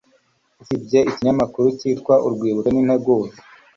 Usibye ikinyamakuru cyitwa 'Urwibutso n'Integuza